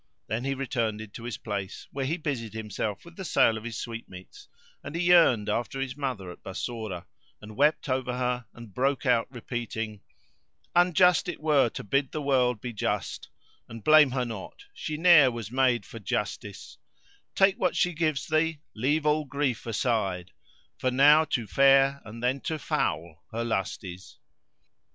Then he returned to his place where he busied himself with the sale of his sweetmeats; and he yearned after his mother at Bassorah, and wept over her and broke out repeating:— "Unjust it were to bid the World [FN#460] be just * And blame her not: She ne'er was made for justice: Take what she gives thee, leave all grief aside, * For now to fair and then to foul her lust is."